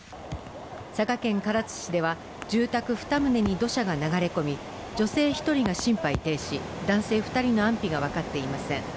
佐賀県唐津市では住宅２棟に土砂が流れ込み、女性１人が心肺停止男性２人の安否がわかっていません。